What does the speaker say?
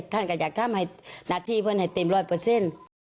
ท่านก็อยากทำให้หน้าที่เพื่อนให้เต็มร้อยเปอร์เซ็นต์